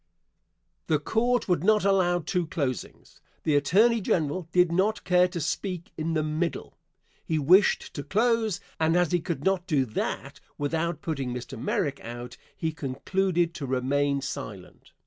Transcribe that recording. Answer. The Court would not allow two closings. The Attorney General did not care to speak in the "middle." He wished to close, and as he could not do that without putting Mr. Merrick out, he concluded to remain silent.